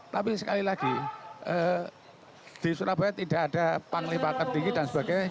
tapi sekali lagi di surabaya tidak ada panglima tertinggi dan sebagainya